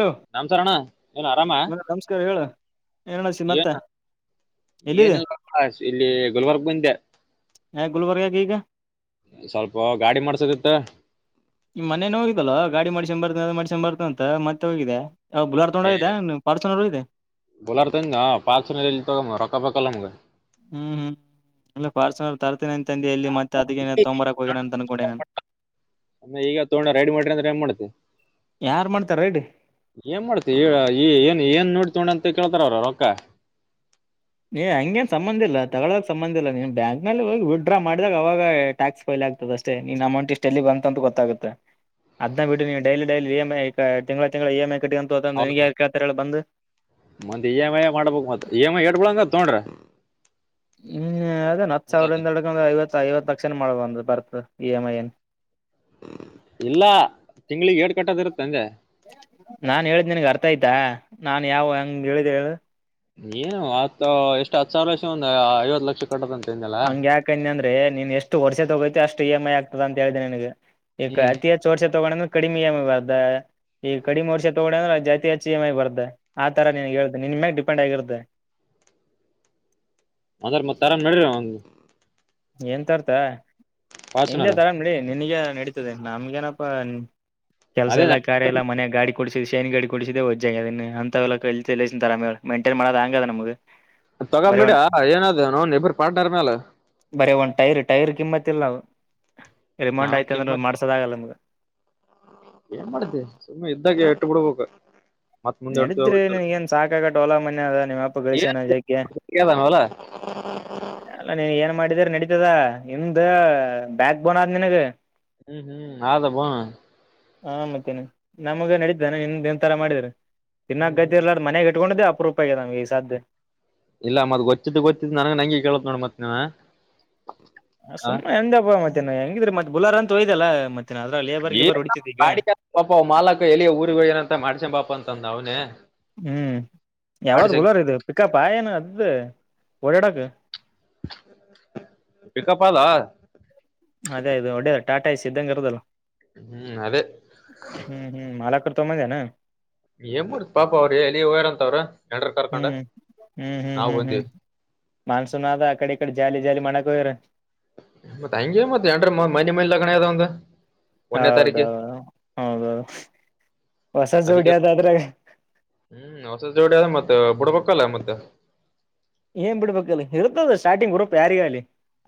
Low, ನಮಸ್ಕಾರ ಅಣ್ಣ ಏನ್ ಆರಾಮ ನಮಸ್ಕಾರ ಹೇಳು ಏನು ವಸಿ ಮತ್ತೆ? [unintelligible] ಎಲ್ಲಿದೆ ಏನಿಲ್ಲ ಬಾಸ್, ಗುಲ್ಬರ್ಗ ಬಂದೆ. ಯಾಕ ಗುಲ್ಬರ್ಗಾಗ ಈಗ [inaudible] ಸ್ವಲ್ಪ ಗಾಡಿ ಮಾಡ್ಸೋದಿತ್ತು. [inaudible] ಈ, ಮನೇನ ಹೋಗಿದಲ್ವಾ ಗಾಡಿ ಮಾಡಿಸಿಕೊಂಡು ಬರ್ತೀನಿ ಮಾಡಿಸಿಕೊಂಡು ಬರ್ತೀನಿ ಅಂತ ಹೋಗಿದ್ದ? [inaudible] ಯಾವುದು, ಬುಲೊರೊ, ತಗೊಂಡು ಹೋಗಿದ್ದ ಫಾರ್ಚುನರ್ ಇದೆ. [inaudible] ಬೂಲೆರೊ, ತಂಧಾ, ಫಾರ್ಚುನರ್ ಇಲ್ಲಿ ತಗೋ, ಮಗ ರೊಕ್ಕ ಬೇಕಲ್ಲ, ಮಗ. [inaudible] ಹ್ಮ್, ಹ್ಮ್, ಅಂದ್ರೆ ಫಾರ್ಚುನರ್ ತರುತ್ತೀನಿ. [inaudible] ತಂದೆಯ ಇಲ್ಲಿ, ಮತ್ತೆ ಅದನ್ನೇ ತಗೋಬರಿ ಹೋಗಿದ್ದಾನೆ ಅಂದ್ಕೊಂಡೆ, ನಾನು? [inaudible] ಅಲ್ಲ ಇವಾಗ, ತಕೊಂಡು, ರೆಡಿ ಮಾಡಿ ಅಂದ್ರೆ ಏನ್ ಮಾಡ್ತಿ? ಯಾರ್ ಮಾಡ್ತಾರ ಇಡಿ [inaudible] ಏನ್, ಮಾಡ್ತಿ, ಈಗ, ಏನ್, ಏನ್, ನೋಡಿ ತಗೊಂಡೆ, ಅಂತ? [inaudible] ತಿಂಕೊಳ್ಳೋಕೆ ಬರಲ್ವಾ ರೊಕ್ಕ? [inaudible] ಏ ಹಂಗೇನ್ ಸಂಬಂಧ ಇಲ್ಲ! ತಗೊಳ್ಳುವಾಗ ಸಂಬಂಧ, ಇಲ್ಲ ನೀನ್ ಬ್ಯಾಂಕ್ ನಲ್ಲಿ, ಹೋಗಿ ವಿತ್ ಡ್ರಾ, ಮಾಡಿದಾಗ ಅವಾಗ ಟ್ಯಾಕ್ಸ್, ಫೈಲ್.. [inaudible] ಆಗ್ತದೇ, ಅಷ್ಟೇ ನಿನ್ ಅಮೌಂಟ್, ಇಷ್ಟು ಎಲ್ಲಿ ಬಂತು, ಅಂತ ಗೊತ್ತಾಗುತ್ತೆ? [inaudible] ಅದಾನಾ, ಬಿಡು ನೀನು, daily, daily! E, M, I. ತಿಂಗಳ, ತಿಂಗಳ, ಇ, ಎಂ, ಐ. [inaudible] ಹೌದ, ನಿನಗೆ ಯಾರ್ ಕೇಳ್ತಾರ ಹೇಳ ಬಂದು ಮತ್ತೆ, ಇ, ಎಮ್, ಐ. ಮಾಡಬೇಕು ಮತ್ತೆ, ಇ, ಎಮ್, ಐ ಎರಡರಲ್ಲಿ ಒಂದು. [unintelligible] ತಗೊಂಡ್ರಾ? [inaudible] ಹ್ಮ್ ಅದೇನ್ ಹತ್ ಸಾವಿರದಿಂದ ಎ್ರ ಐವತ್ತು ಐವತ್ ಲಕ್ಷನ ಮಾಡಬಂದ್ ಬರ್ತ ಇ ಎಮ್ ಐ ಅಲ್ಲಿ ಇಲ್ಲ ತಿಂಗ್ಳಿಗೆ ಏಡ್ ಕಟ್ಟದ್ ಇರುತ್ತೆ ಅಂದೆ ನಾನ್ ಹೇಳಿದ ನಿನ್ಗ್ ಅರ್ಥ ಆಯ್ತಾ ನಾನ್ ಯಾವ ಹೆಂಗ ಹೇಳಿದೆ ಹೇಳು ಏನು ಆತ್ ಎಷ್ಟ್ ಹತ್ತು ಸಾವಿರಷ ಒಂದ ಐವತ್ ಲಕ್ಷ ಕಟ್ಟೋದಂತ ಅಂದಲ್ಲ ಹಂಗ ಯಾಕಂದ ಅಂದ್ರೆ ನೀನ್ ಎಷ್ಟು ವರ್ಷೆ ತಗೋತತಿ ಅಷ್ಟು ಇ ಎಮಂ ಐ ಆಗ್ತದ ಅಂತ ಹೇಳ್ದಿನಿ ನನ್ಗೆ.. ಈಗ ಹ್ಮ್, ಅತಿ ಹೆಚ್ಚು ವರ್ಷದ ತಗೊಂಡ ಕಡಿಮೆ ಇ ಎಮಂ ಐ ಬಾರ್ದ ಈ ಕಡಿಮೆ ವರ್ಷ ತಗೋ ಅಂದ್ರೆ ಜಾತಿ ಹೆಚ್ಚಿ ಈ ಎಂ ಐ ಬರ್ದೆ ಆ ತರ ನೀನ್ ಹೇಳ್ದಿದೆ ನಿನ್ ಮೇ ಡಿಪೆಂಡ್ ಆಗಿರತ್ತದೆ ಮದರ್ ಆರಾಮ್ ಇರು ಏನ್ ತರ್ತ ಹಿಂದೆ ಫಾರ್ಚುನರ್ ತರ ನಡಿ ನಿನ್ಗ ನಡೀತದೆ ನಮ್ಗೇನಪ್ಪಾ ಕೆಲ್ಸ ಎಲ್ಲ ಅದೇ ಕಾರ್ಯ ಎಲ್ಲಿ ಮನೆಯಾಗ ಗಾಡಿ ಕೊಡ್ಸಿ ಶೇನ್ ಗಡಿ ಕೊಡಿಸಿದೆೆಜಾಗದ ಅಂತಲ್ಲರೇ ಮಂೈನ್ ಮಾಡದ ಹಂಗದ ನಮಗೆ ತೊಗಾಂಬ ನಡಾ ಏನಾದ ನನ್ ಇಬ್ಬರು ಪಾಟ್ನರ್ ಮೇಲೆ ಬರೇ ಒಂದ್ ಟೈರ್ ಟೈರ್ ಕಿಮ್ಮತ್ತಲ್ಲ ರಿಮಾಂಡ್ ನಾವ್ ಆಯ್ತ ಅಂದ್ರೆ ಕೆಮ್ಮ ಮಾಡಸೋದಾಗಲ್ಲ ನಮ್ಗೆ ಏನ್ ಮಾಡತಿ ಸುಮ್ಮ್ನೆ ಇದ್ದಾಗ ಎಟ್ಟು ಬಿಡ್ಬೇಕು ಮತ್ ಮುಂದೆ ಇಡ್ತೀವಿ ನಡಿದ್ರಿ ಗೊತ್ತಿಲ್ಲ ನೀನ್ಗಏನ್ ಸಾಕಾಗ ಓಲಾ ಮನೆ ಅದ ನಿಮ್ಮಪ್ಪ ಏನ್ ಗಳಿಸ್ಯಾನಜಕ್ಕೆ ಗೊತ್ತಾಗ್ಯದ ನಾವಲ್ಲ? ಅಲ್ಲ ನೀನ್ ಏನ್ ಮಾಡಿದರೆ ನಡೀ ದ ನಿಮ್ದ ಬ್ಯಾಕ್ ಬೋನ್ ಆದ ನಿನಗ್ ಹ್ಮ್ ಹ್ಮ್ ಆದಬ ಹಾ ಮತ್ತೇನೆ ನಮ್ಗೆ ನಡೀಿದ್ದಾನೆ ನಿನ್ ನಿನ್ ತರ ಮಾಡಿದರು ತಿನ್ನ ಹ್ಮ್ ಹ್ಮ್ ಗೈತಿರ್ಾರ ಮನೆಾಗ ಇಟ್ಕೊಂಡಿದ್ದೆ ರೂಪಾಯಿಗೆದಮಗೆ ಈ ಸಾಾದಧ್ಯೆ ಇಲ್ಲ ಮತ್ ಗೊತ್ತಿದ್ದು ಗೊತ್ತಿದ್ದು ನನಗ ನಂಗೆ ಕೇಳತ್ ನೋಡ್ ಮತ್ ನೀವ ಹ ಆ? ಸುಮ್ಮನೆ ಎಂದಪ್ಪ ಮತ್ತೆ ಹೆಂಗಿದ್ರಿ ಮತ್ತತ್ ಬುಲಾರ ಅಂತ ಹೋಯ್ದಲ್ಲ ಮತ್ತೆ ಈ ಮಾಡ ಪಾಪ ಮಾಲಕ್ಕ ಎಲ್ಲಿ ಊರಿಗ ಏನಂತ ಮಾಡ್ಸ ಪಾಪ ಅಂತಂದ ಅವನ ಹ್ಮ್ ಯಾವ್ದ ಬುಲೋರ್ ಇದು ಪಿಕಪ್ ಆ ಏನು ಅದು ಓಡಾಡಕ್ ಪಿಕಪ್ಪಾಲಾ. ಟಾಟಾಯಸಿದಂಗ್ ಇರದಲ ಹ್ಮ್ ಅದೇ ಹ್ಮ್ ಹ್ಮ್ ಮಾಲ ಕೊಡ್ದು ತಗೋಬಂದಿ ಏನು. ಏನ್ ಮಾಡುತ್ ಪಾಪ ಅವ್ರ ಏ ಎಲ್ಲಿಗ ಹೊಗೆರಾಂತ್ ಅವ್ರು ನೆಂಟ್ರು ಹ್ಮ್ ಕರ್ಕಂಡು. ಹ್ಮ್ ಹ್ಮ್ ಹ್ಮ್ ಹ್ಮ್ ಮಾನ್ಸೂನ್ ಆದ ಅಕಡ್ ಇಕಡಿ ಜಾಲಿ ಜಾಲಿ ಮಾಡಕೊಗೆರೆ. ಮತ್ ಹಂಗೆ ಮತ್ತೆ ಎಂಡ್ರ ಮನ್ ಮೈನ್ ಲಗಣಗೆದ್ ಅವಂಗ. ಹೌದ ಹೌದ. ಅದಿಕೆ ಹ್ಮ್ ಹೊಸ ಜೋಡೆಲ ಮತ್ತೆ ಬುಡ್ ಲಕಲಯ ಮ್ದ ಏನ್ ಬಿಡ್ಬೇಕಲ್ಲ ಇರ್ತದ ಸ್ಟಾರ್ಟಿಂಗ್ ಗ್ರೂಪ್ ಯಾರಿಗ ಆಲಿ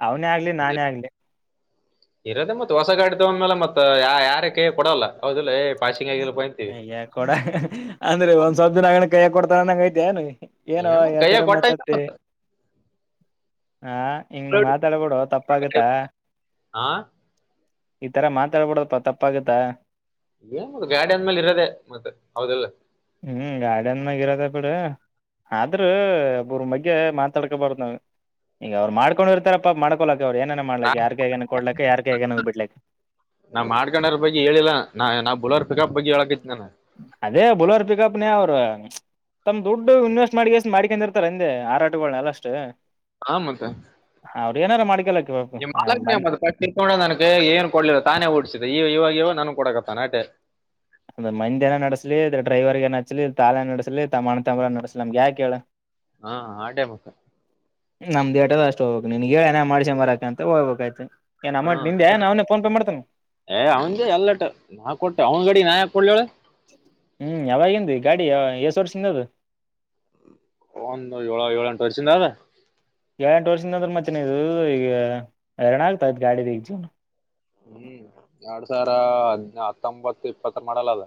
ಅವ್ನೇ ಆಗ್ಲಿ ನಾನೇ ಆಗ್ಲಿ ಇರದೇ ಮತ್ತತ್ ಹೊಸ ಗಾಡಿದ ಒಂದ ಮೇಲೆ ಮತ್ತತ್ ಆಗಿಲ್ಲಪ್ಪ ಅಂತೀವಿ ಅಯ್ಯ ಕೊಡ ಅಂದ್ರೆ ಒಂದ್ ಸ್ವಪ ದಿನ ಆಣ ಕೈ ಕೊಡ್ತಾರಂಗ ಐತೆಏಾನ ಏನ ಏನ್ ಮತ್ ಕೈಯ ಯಾವತರ ಕೊಟ್ಟ ಮಾತಾಡ್ತೆ ಹ ಹಿಂಗ ಮಾತಾಡ್ಬೊಡು ತಪ್ಪಾಗತ್ತ ಹಾ ಇತರ ಮಾತಾಡ್ಬೋಡ ತ ತಪ್ಪಾಗುತ್ತಾ. ಏನ್ ಮಾಡದು ಗಾಡಿ ಅಂದ್ಮೇಲೆ ಇರೋದೆೇ ಮತ್ತೆ ಹೌದಿಲ್ಲ. ಹ್ಮ್ ಗಾರ್ಡನಗ್ ಇರದೆ ಬಿಡು. ಆದ್ರ ಒಬ್ರುಮ್ ಬಗ್ಗೆ ಮಾತಾಡ್ಕೊಬಾರ್ದ್ ನಾವು ಈಗ ಅವ್ರು ಮಾಡ್ಕೊಂಡಿರ್ತಾರಪ ಮಾಡ್ಕೊಳ್. ಅವ್ರು ಏನನ ನಾ ಮಾಡ್ಲಕೆ ಯರ್ ಕೈಗೆನ ಕೊಡ್ಲಾಕೆ ಯರ್ ಕೈಗೆನ ಬಿಡ್ಲಕ್ಕೆ. ನನ್ ಮಡ್ಕೆಂಡರ್ ಬಗ್ಗೆ ಹೇಳಿಲ್ಲಾ ನಾ ಬುಲರ್ ಪಿಕಪ್ ಬಗ್ಗೆ ಹೇಳಕತಿ ನಾನ. ಅದೇ ಬಲರ್ ಪಿಕಪ್ನೆ ಅವ್ರು. ತಮ್ ದುಡ್ಡು ಇನ್ವೆಸ್ಟ್ ಮಾಡ್ಕೆಷ್ಟ ಮಾಡ್ಕೊಂಡಿರ್ತಾರ್ ಅಂದೆ ಆರಾಟಗಳ್ನ ಆದಷ್ಟು. ಹ ಮತ್ತೆ. ಏನರ ಮಾಡ್ಕೆಳಪ. ನಿಮ್ಮಾಲಗ್ನ [unintelligible] ನನ್ ಕೈಯಾಗ್ ಏನ್ ಕೊಡ್ಲಿಲ್ಲ ತಾನೇ ಓಡ್ಸಿದ ಈ ಇವಾಗ್ ಇವಗ್ ನನ್ಗ ಕೊಡಕತ್ತನ್. ತನಾಟೆ. ಅದ ಮಂದನ ಮಾಡುಸ್ಲಿ ಡ್ರೈವರ್ಗಾನ ಹಚ್ಲಿ ತಾಲೆ ನಡೆಸ್ಲಿ ತಮಣತಮ್ಮರ ನಡಸ್ಸಲಿ ನಮ್ಗೆ ಯಾಕ ಹೇಳ. ಹಾ ಆಡೇ ಮಖ ನಮ್ದ ದೇಟದ ಅಷ್ಟ ಹೋಗ್ಬೇಕು ನಿನ್ಗೆ ನ ಮಾಡ್ಸೆ ಮರಾಕ ಅಂತ ಹೋಗ್ಬೇಕಾಯ್ತು ಏನ್ ಹ್ಮ ಅಮೌಂಟ್ ನಿಂದೆ ಆಟ ನಾವನೇ ಫೋನ್ ಪೇ ಮಾಡ್ತೇನೆ ಏ ಅವ್ನ್ ಎಲ್ಲಟ ನಾ ಕೊಟ್ಟ ಅವ್ನ ಗಡಿ ನಾ ಕೊಡ್ಲಿ ಹೇಳು ಹ್ಮ್ ಯಾವಾಗಿಂದು ಗಾಡಿ ಎ ಸ ವರ್ಸಿಂದ ಅದು ಒಂದು ಏಳ ಏಳು ಉಂಟು ವಸಿಂದ ಅದ ಏಳ ಎಂಟು ವರ್ಷದ ಅಂದ್ರೆ ಮ್ೆನ ಇದ ಈಗ ಎರಣ ಆಗ್ತ ಗಾಡಿದ ಈಗ ಜ ಹ್ಮ್ ಎರಡ್ ಸಾವಿರ ಹತ್ತೊಂಬತ್ತು ಇಪ್ಪತ್ತರ ಮಾಡಲ್ಲ ಅದ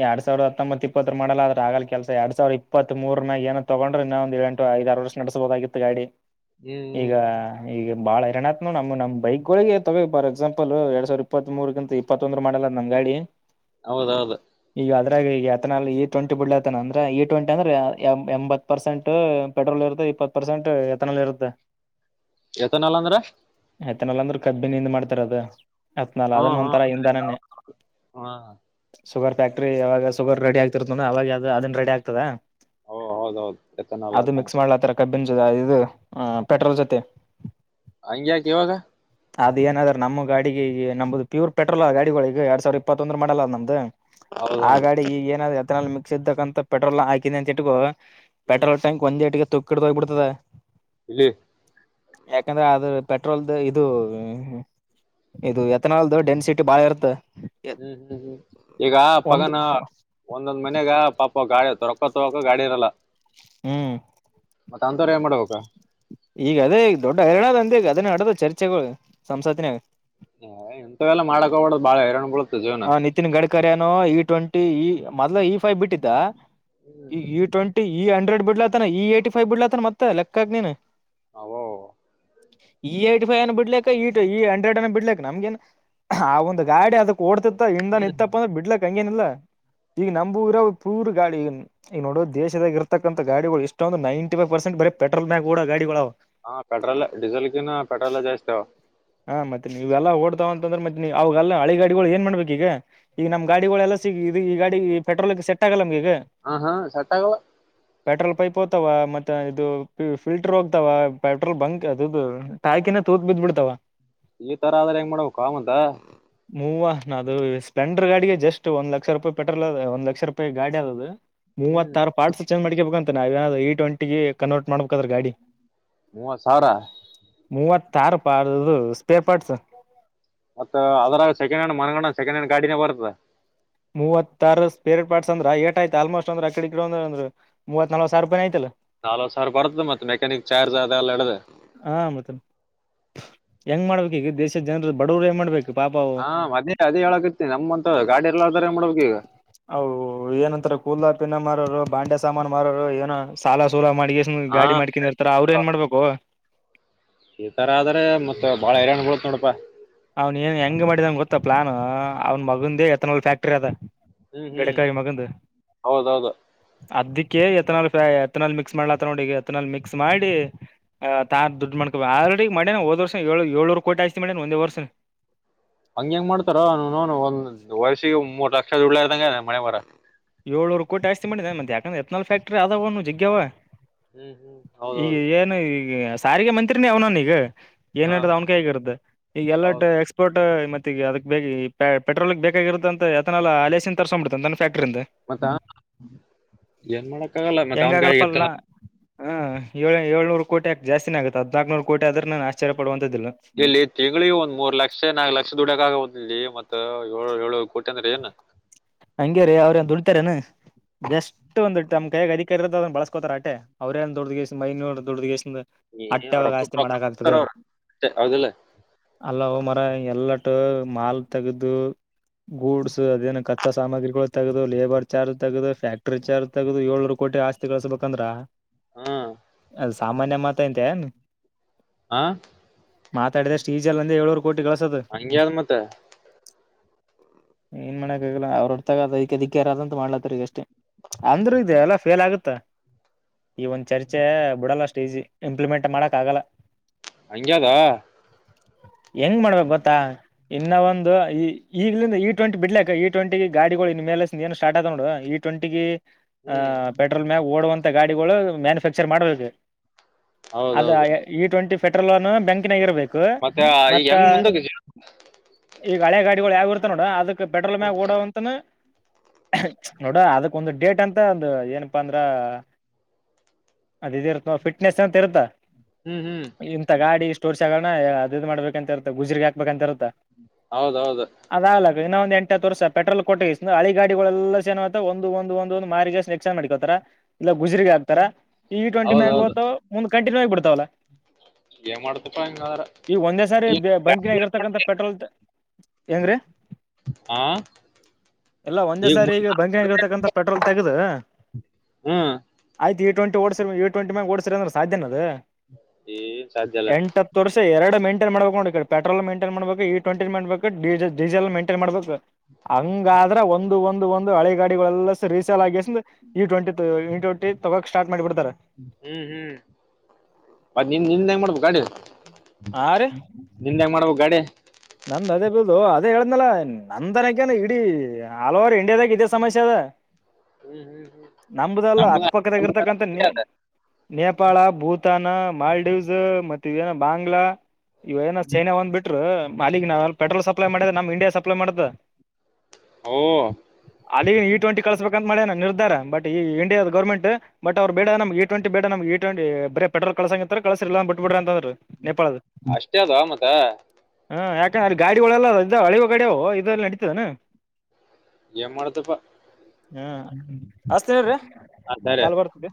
ಎರಡ್ ಸಾವಿರ ಹತ್ತೊಂಬತ್ ಇಪ್ಪತ್ತುರ ಮಾಡ ಅ್ರ ಆಗಲ್ ಕೆಲ್ಸ ಎರಡ್ ಸಾವಿರ ಇಪ್ಪತ್ ಮೂರ ನಾಗ ಏೋ ತಗೊಂಡ್ರ ಇನ್ನೊಂದ ಎಂಟ ಐದಾರು ವರ್ಷ ನಡೆಸಬಹದಾಗಿತ್ತು ಗಾಡಿ ಹ್ಮ್ ಹ್ಮ್ ಈಗ ಈ ಬಾಳ ಎರಡ್ ನ ನಮ ಬೈಕ್ ಗಳಿಗೆ ತಗ ಾರ್ ಎಕ್ಸಾಂಪಲ್ ಎರಡ್ ಸಾವರ ಇಪ್ಪತ್ ಮೂರ್ಗಿಂತ ಇಪ್ಪತ್ತೊಂದ್ ಮಾಡಲದ ನಂಗಗೆ [unintelligible] ಹೌದೌದು ಈಗ ಅದ್ರಾಗ ಈಗ ಯತನ ಇ ಟ್ವೆಂಟಿ ಬಿಡ್ತನ ಅಂದ್ರೆ ಇ ಟ್ವೆಂಟಿ ಅಂದ್ರ ಎಂಬತ್ ಪರ್ಸೆಂಟ್ ಪೆಟ್ರೋಲ್ ಇರುತ್ತ ಇಪ್ಪತ್ ಪರ್ಸೆಂಟ್ ಎತನಲ್ಲಿ ಇರುತ್ತೆ ಯತನಲ್ಲ ಅಂದ್ರ ಆಯತನಲ್ ಅಂದ್ರ ಕದಬಿನಿಿಂದ ಮಾಡ್ತಾರದ ಹತ್ನಾಲ್ ಹಾ ಅದನ್ನ ಹಾ ಒಂಥರ ಇಧನನೇ ಹಾ ಶುಗರ್ ಫ್ಯಾಕ್ಟ್ರ ಯವಾಗ ಶುಗರ್ ರೆಡಿ ಆಗ್ತಿರ್ತಾನ ಅವಾಗ ಅದು ಅದನ್ ರೆಡಿ ಆಗ್ತದ ಓ ಹೌದೌದು ಎತ್ತನಲ್ಲತನ ಂ ಇದು ಪೆಟ್ರೋಲ್ ಜೊತೆ ಹಂಗ್ಯಾಕೆ ಇವಾಗ ಗಾಡಿ ಈ ನಮ್ದ ಪ್ಯೂರ್ ಪೆಟ್ರೋಲ್ದ ಗಾಡಿಗಳ ಈಗ ಎರಡ್ ಸಾವಿರ ಇಪ್ಪತ್ತೊಂದ್ರ ಮಾಡಲ್ಲ ನಮ್ದು ಆ ಹೌದೌದು ಗಾಡಿ ಈಗ ಏನಾದ್ ಎತನಲ್ ಮಿಕ್ಸ್ ಇದ್ದಕ್ಕಂತ ಪೆಟ್ರೋಲ್ ಹಾಕಿನಿ ಅಂತ ಇಟ್ಕು ಪೆಟ್ರೋಲ್ ಟ್ಯಾಂಕ್ ಒಂದೇಟಿಗೆ ತುಕ್ಕಿಡ್ದ ಹೋಗ್ಬಿಡ್ತದೆ ಇಲ್ಲಿ ಯಾಕಂದ್ರೆ ಆದದ್ರ ಪೆಟ್ರೋಲ್ದ ಇದು ಇದು ಎಥನಾಲ್ದು ಡೆನ್ಸಿಟಿ ಬಾಳ ಇರುತ್ತೆ ಹ್ಮ್ ಹ್ಮ್ ಹ್ಮ್ ಈಗ ಒಂದು ಪಗನ ಒಂದೊಂದ್ ಮನಾಗ ಪಾಪ ಗಾಡಿ ತರಕೊ ತೊಗೋಕ ಗಾಡಿ ಇರಲ್ಲ ಹ್ಮ್ ಮತ್ತೆ ಅಂತಥರ ಏ ಮಾಡ್ಬೇಕಾ ಈಗ ಅದೇ ಈಗ ದೊಡ್ಡ ಹರಡ ಅಂದಗ ಅದನ್ನ ನಡದ ಚರ್ಚೆಗಳು ಸಂಸತ್ತಿನಾಗ ಎಂತ ಎಲ್ಲ ಮಾಡಕ ಹಬಡ್ದ್ ಬಾಳ ಹರ್ ಬಳ ಹ ನಿತಿನ್ ಗಡ್ಕರಿನೋ ಇ ಟ್ವೆಂಟಿ ಈ ಮೊದ್ಲ ಇ ಫೈವ್ ಬಿಟ್ಟಿದ್ದ ಈ ಈ ಟ್ವೆಂಟಿ ಈ ಅಂಡ್ರೆಡ್ ಬಿಡ್ಲತನ ಈ ಏಯ್ಟಿ ಫೈ್ ಬಿಡ್ಲತನ ಮತ್ತೆ ಲೆಕ್ಕಕ ನೀ ಹವ ಈ ಏ್ಟಿ ಫೈವ ಅನ್ನು ಬಿಡ್ಲಕ್ಕ ಈ ಟ ಈ ಅಂಡ್ರಾಯಡ್ ಅನ್ನು ಬಿಡ್ಲಿ ನಮ್ಗೆನ್ ಆ ಒಂದು ಗಾಡಿ ಅದ ಓಡುಡ್ತಿತ್ತ ಇಂಡ್ದ ಹ್ಮ್ ನಿತ್ತಪ್ಪ ಅಂದ್ರ ಬಿಡ್ಲಕ್ ಹಂಗನಿಲ್ಲಾ ಈಗ ನಮ್ೂಊರೋ ಪೂರ್ ಗಾಡಿ ಈಗ ನೋಡೋ ದೇಶದಾಗ ಇರ್ತಕ್ಕಂತ ಗಾಡಿಗಳು ಇಷ್ಟೊಂದು ನೈಂಟಿ ಫೈವ್ ಪರ್ಸೆಂಟ್ ಬೇರೆ ಪೆಟ್ರೋಲ್ ಬ್ಯಾಂಕ್ ಗಾಡಿಗಳು ಹಾ ಪೆಟ್ರೋಲ್ ಡೀಸೆಲ್ ಕಿನ್ನ ಪೆಟ್ರೋಲ್ ಜಸ್ತೇಾವ ಹಾ ಮತ್ತೆ ನೀವೆಲ್ಲ ಓಡ್ತಾವ ಅಂತಂದ್ರೆ ಮ್ ಅವೆಲ್ಲ ಅಳಿಗ ಗಾಗಳು ಏನ್ ಮಾಡ್ಬೇಕ ಈಗ ಈಗ ನಮ ಗಾಡಿಗಳೆಲ್ಲ ಸಿಗ ಈ ಗಾಡಿ ಪೆ್ರೋಲ್ ಸೆಟ್ ಆಗಲ್ಲಮಗೆ ಹಾ ಹಾ ಸಟ್ಟಾಗ ಪೆಟ್ರೋಲ್ ಪೈಪ್ ಮತ್ತೆ ಇದು ಫಿಲ್ಟರ್ ಹೋಗ್ತಾವ ಪೆಟ್ರೋಲ್ ಬಂಕ್ ಅದು ಾಕಿನ ತೂತ್ ಬಿದ್ ಬಿಡ್ತಾವ ಈ ತರ ಆದ್ರ ಹೆಂಗ್ ಮಾಡ್ಬೇಕ ಮತ್ತ ಹೂವ ನಾ ಅದು ಸ್ಪ್ಲೆಂಡರ್ ಗಾಡಿಿಗೆ ಜಸ್ಟ್ ಒಂದ ಲಕ್ಷ ರೂಪಾಯಿ ಪೆಟ್ರೋಲ್ ಅದ ಒ್ ಲಕ್ಷ ರೂಪಾಯಿ ಗಾಡಿ ಅದ ಅದು ಹ್ಮ್ ಮೂವತ್ತಾರು ಪ್ಟ್ಸ್ ಚೇಂಜ್ ಮಾಡ್ಕೇಬೇಕಂತ ನಾವವುೇಏನಾದ್ ಇ ಟ್ವೆಂಟಿಗೆ ಕನ್ವರ್ಟ್ ಮಾಡ್ಬೇಕಾದ್ರೆ ಗಾಡಿ ಮೂವ ಸಾರ ಮೂವತ್ತಾರು ಅಪ್ಪ ಆದದು ಸ್ಪೇ ಪಾರ್ಟಸ್ ಮತ್ತ ಅದರಾಗ ಸೆಕೆಂಡ್ ಹ್ಯಾಂಡ್ ಮನ್ಗನ ಸೆಕೆಂಡ್ ಹ್ಯಾಂಡ್ ಗಾಡಿನ ಬರ್ತದ ಮೂವತ್ತರ್ ಪಪೇಟ್ ಪ್ಟಸ್ ಅಂದ್ರ ಏ ಆಯ್ತ ಆಲ್ಮೋಸ್ಟ್ ಅಂದ್ರ ಅಕಡಿಡ್ರಂದ್ರ ಮೂವತ್ ನಲ್ ಸಾವಿ ರೂಾಯಿ ಆಯ್ತಲ್ಲ. ನಾಲ್ವ್ ಸಾವರ ಬರ್ತದೆ ಮತ್ತತ್ ಮೆಕ್ಯಾನಿಕ್ ಚಾರ್ಜ್ ಅದೆ ಎಲ್ಲ ಇಡ್ದದೆ. ಹಾ -ಮತ್ತ ಹೆಂಗ್ ಮಾಡ್ಬೇಕು ಈಗ ದೇಶದ ಜನರ ಬಡವರು ಹೆಂಗ ಮಾಡ್ಬೇಕು. ಪಾಪ ಅವು ಹಾ- ಮದೇ ಅದೇ ಹೇಳಕತಿ ನಮ್ಂತ ಗಾಡಿ ಎಲ್ಲ ಅದ್ರ ಮಾಡ್ಬೇಕು ಈಗ ಹ- ಏನಂತರ ಕೂದಾಪಿನ ಮಾರರು. ಬಾಂಡೆ ಸಾಮಾನು ಮಾರೋರು ಏನ ಸಾಲ ಸೂಲ ಮಾಡಿ ಹಾ ಗಾಡಿ ಮಾಡ್ಕೊಂಡ ಇರ್ತಾರ ಅವ್ರರು ಏನ್ ಮಾಡ್ಬೇಕು. ಈ ತರ ಆದ್ರೆ ಮತ್ತತ್ ಬಾಳ ಏಟ್ ಬೀಳ್ತೈತಿ ನೋಡಪ್ಪಾ. ಅವ್ನ್ ಏನ್ ಹೆಂಗ ಮಾಡಿದಂಗ ಗೊತ್ತಾ ಪ್ಲಾನ್ ಅವನ ಮಗಂದೇ ಎತ್ತನಲ್ ಫ್ಯಾಕ್ಟ್ರಿ ಅದ. ಹ್ಮ್ ಹ್ಮ್ ಗಡಕಾಯಿ ಮಗಂದು ಹೌದೌದು ಅದಕ್ಕೆ ಎತ್ತನಾಲ್- ಎತ್ನಾಲ್ ಮಿಕ್ಸ್ ಮಾಡ್ಲತ್ತ ನೋಡಿ ಎತ್ತನಾಲ್ ಮಿಕ್ಸ್ ಮಾಡಿ. ಆತಾ ದುಡ್ಡು ಮಾಡ್ಕೋಬ ಆಲ್ರೆಡಿ ಮಾಡೇನ ಹದ್ ವರ್ಷ ಏಳ ಏಳ್ರು ಕೋಆಯ್ತಿ ಮಾಡೇನ ಒಂದೇ ವರ್ಷ ಹಂಗ ಹೆಂಗ್ ಮಾಡ್ತಾರ ನನು ಒಂದ್ ವರ್ಷಿ ಒ ಮೂರ್ ಲಕ್ಷ ದುಡ್ಲಾ ಇ್ದಂಗ ಮನೆವರ. ಏಳ್ನೂರು ಕೋಟಿ ಆಸ್ತಿ ಮಾಡಿದ ಮತ್ತ ಯಾಕಂದೆ ಎತ್ನಾಲ್ ಫ್ಯಾಕ್ಟ್ರ ಅದನು ಜಗ್ಗಾವವ. ಹ್ಮ್ ಹ್ಮ್ ಈಗ ಹೌದೌದು ಏನು ಈಗ ಸಾರಿಗೆ ಮಂತ್ರಿನ ಅವನಾನ ಈಗ ಹಾ ಏನೇ ಹಾ ಅವ್ನಕ ಹಗಿರುತ್ತೆ ಈಗ ಎಲ್ಲ ಹೌದು ಎಕ್ಸ್ಪರ್ಟ್ ಮತ್ತೆ‌ ಅದಕ್ ಬೇಕ ಪೆಟ್ರೋಲ್ ಬೇಕಾಗಿರುತ್ತ ಅಂತ ಯತನಲ್ಲ ಅಲೇಸನ್ ತರ್ಸಕ್ ಬಿತ ಅ ತನ್ನ ಫ್ಯಾಕ್ಟ್ರಿಂದ ಮತ್ತ ಏನ್ ಮಾಡಕ್ಕ ಆಗಲ್ಲ ಮತ್ತೆ ಅವನ್ಕಾಯ ಇರ್ತದ. ಹಾಂ ಏಳ್ ಏಳ್ನೂರು ಕೋಟಿ ಆಕ ಜಾಸ್ತಿನಗುತ್ತ ಹದ್ಕನೂರು ಕೋಟ ಆದ್ರ ನು ಆಶ್ಚ್ಯಡುವಂತ ಇಲ್ಲಿ ತಿಂಗಳಿ ಒಂದ್ ಮೂರ್ ಲಕ್ಷ ನಾಲ್ಕು ಲಕ್ಷ ದುಡಕ ಆಗುದ ಇಲ್ಲಿ ಮತ್ತೆ. ಏಳು ಏಳು ಕೋಟಿ ಅಂದ್ರೆ ಏನ ಬೆಸ್ಟ್ ಒಂದ್ ನಮ ಕೈಗ ಅದ ಕ ಇರದ್ ಬಳಸ್ಕೋತಾರೆ ಆಟೆ ಅವ್ರೇಏ ದುಡಗೆಷ್ಟ ಮೈನೂರುದುಡ್ದಗೆ ಎಷ್ಟ ಏ ಅಟ್ಟೆಗ ರೊಕ್ಕ ಆಸ್ತಿ ರೊಕ್ಕ ಮಾಡಕ ಆಗ್ತದೆ ಕೊಡ್ತಾರ ಹೇಳ ಅವ್ರ ಹೌದಿಲ್ಲ ಆಲೋ ಮತ್ತೆ, ಎಲ್ಲಟ ಮಾಲ್ ತೆಗದು ಗೂಡ್ಸ್ ಅದೇನ ಕತ್ತ- ಗಿಗಳು ತಗದು ಲೇಬರ್ ಚಾರ್ಜ್ ತಗದು ಫ್ಯಾಕ್ಟ್ರಿ ಚಾರ್ಜ್ ತಗದು ಏಳ್ನೂರು ಕೋಟಿ ಆಸ್ತಿ ಕಳಿಸಸ್ಬೇಕಂದ್ರ. ಹಾ ಅದ ಸಾಮಾನ್ಯ ಮಾತ ಐತೆ ಏನ್, ಹಾ ಮಾತಾಡಿದಷ್ಟು ಈಜ ಅಂದ್ರ ಹೇಳೋರು. ಹಂಗೆಳು ಮತ್ತೆ. ಏನ್ ಮಾಡಕ್ಕ ಆಗಲ್ಲ ಅವ್ರು ಹೊರ್ತಾಗ ಅದಕ್ಕೆದಿಕ್ಕೆ ಯಾರದಂತೂ ಮಾಡ್ಲತ್ತರಿ ಈಗ ಅಷ್ಟೇ. ಅಂದ್ರೂ ಇದೆ ಎಲ್ಲ ಫೇಲ್ ಆಗುತ್ತ. ಈ ಒಂದ ಚರ್ಚೆ ಬಿಡಲ್ಲ ಅಷ್ಟು ಈಸಿ ಇಂಪ್ಲಿಮೆಂಟ್ ಮಾಡಕ್ ಆಗಲ್ಲ. ಹಂಗದಾ ಹೆಂಗ್ ಮಾಡ್ಬೇಕಕ್ ಗೊತ್ತಾ ಇನ್ನ ಒಂದು ಈ ಈಗ್ಲಿಂದ ಇ ಟ್ವೆಂಟಿ ಬಿಡ್ಲಕ್ಕ ಇ ಟ್ವೆಂಟಿ ಗಾಡಿಗಳು ಇನ್ ಮೇಲೆ ಏನು ಸ್ಟ್ ಆ ನೋಡು ಈ ಟ್ವೆಂಟಿ ಹ್ಮ್ ಆಹ ಪೆಟ್ರೋಲ್ ಮ್ಯಾಾಗ ಓಡುವಂತ ಗಾಡಿಗಳು ಮ್ಯಾನುಫ್ಯಾಕ್ಚರ್ ಮಾಡಬೇಕು. ಅದು ಹೌದೌದು ಇ ಟ್ವೆಂಟಿ ಫ. ಪೆಟ್ರೋಲ್ೋನ್ ಬಂಕಿನ ಇರಬೇಕು ಮತ್ತೆ ಈಗ ಮತ್ತ ಹೆಂಗ್ ಮುಂದಕ್ಕೆ ಈಗ ಹಳೆ ಗಾಡಿಗಳು ಯಾವ ಇರುತ್ತ ನೋಡ ಅದಕ್ ಪೆಟ್ರೋಲ್ ಮ ಓಡ್, ತನ ನೋಡ ಅದಕ್ ಒಂದು ಡೇಟ್ ಅಂತ ಒಂದು ಏನಪ್ಪಾ ಅಂದ್ರ, ಅದ ಇ ಇರುತ್ತ ಫಿಟ್ನೆಸ್ ಅಂತ ಇರುತ್ತಾ. ಹ್ಮ್ ಹ್ಮ್ ಇಂಂತ ಗಾಡಿ ಸ್ಟೋರ್ಸ್ಗೋಣ ಅದ್ ಮಾಡ್ಬೇಕಂತ ಇರ್ತ್ತ ಗುಜ್ರಗೆ ಹಾಕ್ಬೇಕಂತ ಇರತ್ತ. ಹೌದೌದ. ಇನ್ನ ಒಂದ್ ಎಂಟತ್ತು ವರ್ಸ, ಪೆಟ್ರೋಲ್ ಕೊಟ್ಟ ಹಿ ಗಾಗಳೆಲ್ಲ ಸಏನ್ ಒಂದು ಒಂದು ಒಂದು ಮಾರ್ಗನ್ ಎಕ್ಸಾನ್ ಮಾಡಕೋತ ಇ ಗುಜರಿಗ ಆತ ಈ ವಿ ಟ್ವೆಂಟಿ ಮ್ಯಾಗ ಹೌದೌದು ಮುಂದ್ ಕಂಟಿನ್ಯೂ ಆಗಿಬಡ್ತಾವಲ್ಲ. ಏನ್ ಮಾಡ್ತಪ್ಪಾ ಹಿಂಗಾದ್ರ ಈಗ ಒಂದೇ ಸಾರಿ ಈ ಬಂಕಿನಗ ಇರ್ತಕ್ಕಂಂತ ಪೆಟ್ರೋಲ್. ಹೆಏಂಗ್ರೀ‌. ಹ ಎಲ್ಲ ಒಂದೇ ಸಾರಿ ಈಗ ಬಂಕ ಹಂಗಿರ್ತಕ್ಕಂತ ಪೆಟ್ರೋಲ್ ತೆಗ್ದ, ಹ್ಮ ಟ್ಂ ಡಸಿ ಈ ಟ್ಂಟ ಮ ಓಸಿ ಅ್ರೆ ಸಾಧ್ಯನದು. ಏನ್ ಸಾಧ್ಯ ಇಲ್ಲ ಎಂಟತ್ತು ವರ್ಷ ಎರಡು ಮೆಂಟ. ಮಾಡಬೇಕು ನ ಪೆಟ್ರೋಲ್ ಮೈಂಟೈನ್ ಮಾಡಬೇಕ ಇ ಟ್ವೆಂಿ ಮಾಡಬೇಕ ಡೀಸಲ್ ಮೈಂಟೈನ್ ಮಾಡಬೇಕು. ಹಂಗಾದ್ರ ಒಂದು ಒಂದು ಒಂದು ಹಳೆ ಗಾಡಿಗಳೆಲ್ಲ ಸ ರೀಸೆಲ್ ಆಗಿ. ಇ ಟ್ವೆಂಟಿ ಇ ಟ್ವೆಂಟಿ ತಗೋಕ್ ಸ್ಟಾರ್ಟ್ ಮಾಡಿಬಿಡ್ತಾರ. ಅದ ನಿಂದ ನಿಂದ ಹೆಂಗ ಮಾಡ್ಬೇಕ ಗಾಡಿ ನಿಂದ ಹೆಂಗ ಮಾಡ್ಬೇಕ ಗಡೆ. ನಂದ ಅದೇ ಬಿಲ್ದು ಅದೇ ಹೇಳಿದ್ನಲ ನಂದ್ನಕನ ಇಡೀ ಆಲ್ ಓವರ್ ಇಂಡಿಯಾದಾಗ ಇದೇ ಸಮಸ್ಯೆ ಅದ. ಹ್ಮ್ ಹ್ಮ್ ನಂಬದೆಲ್ಲ ಹ್ಮ್ ನಮ್ದ ಅಕ್ಕಪಕ್ಕದಾಗಿರ್ತಕ್ಕಂತ ನೀ. ನೇಪಾಳ ಭೂತಾನ ಮಾಲ್ಡೀವ್ಸ್ ಮತ್ತ ಏನ ಬಾಂಗ್ಲಾ. ಇವ ಏನ ಚೈನಾ ಒಂದ್ ಬಿಟ್್ರ ಅಾಲಗ್ ನಾವೆ ಪೆಟ್ರೋಲ್ ಸಪ್ಲೈ ಮಾಡಿದ ನಮ್ ಇಂಡಿಯಾ ಸಪ್ಲೈ ಮಾಡ್ದ. ಓ ಅಲ್ಲಿಗೆ ಇ ಟ್ವೆಂಟಿ ಕಳಸ್ಬೇಕು. ಮಾಡಿ ನ ನಿರ್ಧಾರ ಬಟ್ ಇಿಯ ಗರ್ಮೆಟ್ ಅವ್ ಬೇಡ ನಮ್ ಇ ಟ್ಂಟಿ ಬೇಡ ನಮ್ ಇ ಟ್ವೆಟಿ ಬೇ ಪೆಟ್ರೋಲ್. ಕಲಸಂಗ ಕಸರ್ಲ್ಲ ಬಿಟ್ಬಿದ್ರ ಅಂತ. ಅಷ್ಟೇ ಅದು ಆ ಮತ್ತ. ಹಾ ಯಾಕೆಂದ್ರೆ ಗಾಡಿಗಳೆಲ್ಲ ಇದ ಅಳೆುವ ಗಾಿಯವು ಇದೆಲ್ಲಿ ನಡತದಾನ. ಏನ್ ಮಾಡ್ದಪ್ಪಾ. ಹಾ ಹಚ್ತೀನ್ ಇರ್ರಿ ಅದಾರೆ. ಕಾಲ್ ಬರ್ತದೆ